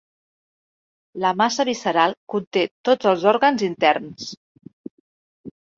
La massa visceral conté tots els òrgans interns.